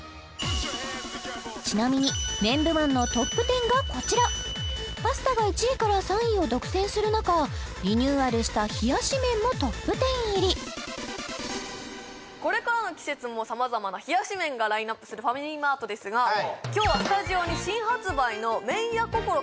ちなみに麺部門のトップ１０がこちらパスタが１位から３位を独占する中リニューアルした冷やし麺もトップ１０入りこれからの季節も様々な冷やし麺がラインナップするファミリーマートですが今日はスタジオに新発売の麺屋こころ